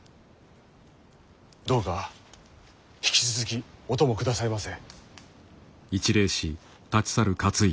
どうか引き続きお供くださいませ。